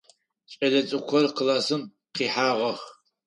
Кӏэлэцӏыкӏухэр классым къихьагъэх.